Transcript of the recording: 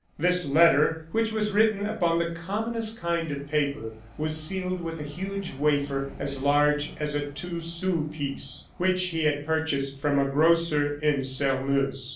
This letter, which was written upon the commonest kind of paper, was sealed with a huge wafer, as large as a two sou piece, which he had purchased from a grocer in Sairmeuse.